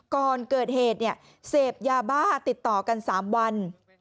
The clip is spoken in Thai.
ก่อนเกิดเหตุเนี่ยเศพยาบาติดต่อกันสามวัน